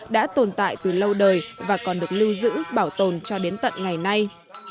đã tồn tại từ lâu đời và còn được lưu giữ bảo tồn cho đến tận ngày nay